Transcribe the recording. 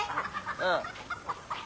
うん。